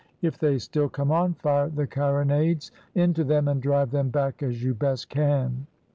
If they still come on, fire the carronades into them, and drive them back as you best can."